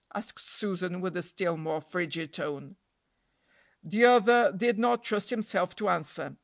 asked Susan, with a still more frigid tone. The other did not trust himself to answer.